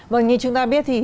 vâng như chúng ta biết thì